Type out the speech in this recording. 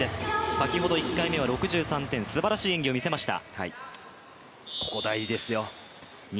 先ほど１回目は６３点すばらしい演技をみせました。